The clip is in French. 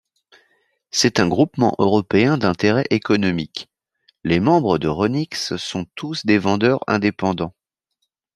C'est un Groupement européen d'intérêt économique, les membres d'Euronics sont tous des vendeurs indépendants.